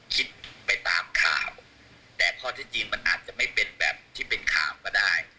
คิดไปตามข่าวแต่ข้อที่จริงมันอาจจะไม่เป็นแบบที่เป็นข่าวก็ได้